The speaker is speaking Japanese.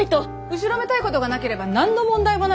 後ろめたいことがなければ何の問題もない質問です。